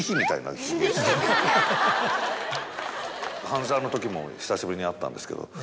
『半沢』のときも久しぶりに会ったんですけど。